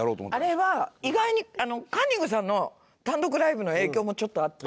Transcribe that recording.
あれは意外にあのカンニングさんの単独ライブの影響もちょっとあって。